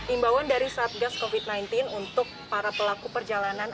imbawan dari satgas covid sembilan belas untuk para pelaku perjalanan